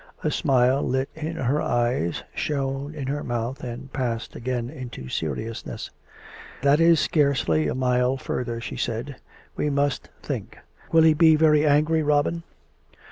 A smile lit in her eyes, shone in her mouth, and passed again into seriousness. " That is scarcely a mile further," she said. " We must think. ... Will he be very angry, Robin